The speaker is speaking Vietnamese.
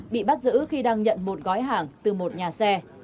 bị bắt giữ khi đang nhận một gói hàng từ một nhà xe